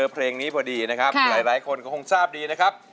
เพลงนี้พอดีนะครับหลายคนก็คงทราบดีนะครับ